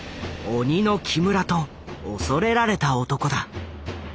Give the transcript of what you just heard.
「鬼の木村」と恐れられた男だ。